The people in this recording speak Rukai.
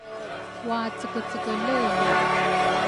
Wacekecekele li